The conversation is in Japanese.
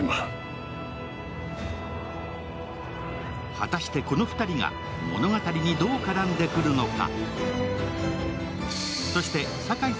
果たして、この２人が物語にどう絡んでくるのか。